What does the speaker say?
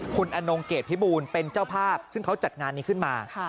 คุณอนงเกรดพิบูลเป็นเจ้าภาพซึ่งเขาจัดงานนี้ขึ้นมา